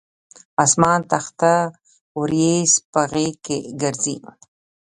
اسمان تخته اوریځ په غیږ ګرځي